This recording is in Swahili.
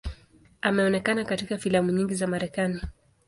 Ameonekana katika filamu nyingi za Marekani.